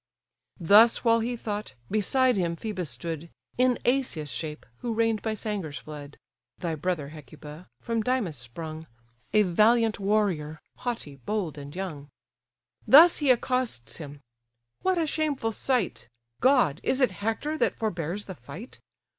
Thus while he thought, beside him Phœbus stood, In Asius' shape, who reigned by Sangar's flood; (Thy brother, Hecuba! from Dymas sprung, A valiant warrior, haughty, bold, and young;) Thus he accosts him. "What a shameful sight! God! is it Hector that forbears the fight?